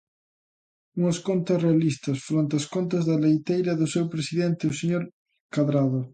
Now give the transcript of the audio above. Unhas contas realistas fronte ás contas da leiteira do seu presidente, o señor Cadrado.